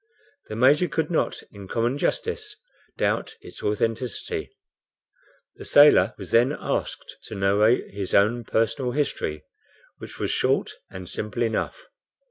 The Major could not, in common justice, doubt its authenticity. The sailor was then asked to narrate his own personal history, which was short and simple enough.